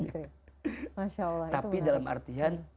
masya allah itu benar tapi dalam artian